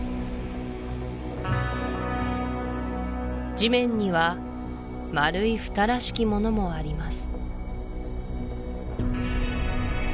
地面には丸いフタらしきものもあります